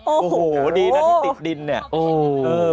โอ้โหดีนะที่ติดดินเนี่ย